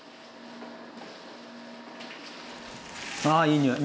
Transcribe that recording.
あいい匂い！